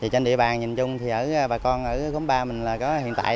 trên địa bàn nhìn chung thì bà con ở góng ba mình là hiện tại